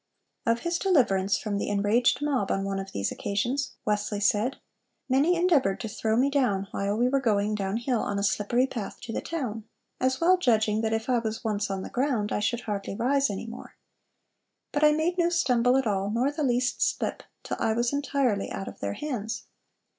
Of his deliverance from the enraged mob on one of these occasions, Wesley said: "Many endeavored to throw me down while we were going down hill on a slippery path to the town; as well judging that if I was once on the ground, I should hardly rise any more. But I made no stumble at all, nor the least slip, till I was entirely out of their hands....